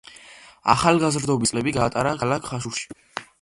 ახალგაზრდობის წლები გაატარა ქალაქ ხაშურში.